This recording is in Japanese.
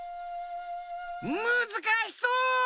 むずかしそう！